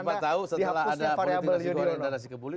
siapa tau setelah ada politikasi kebunan danasi kebuli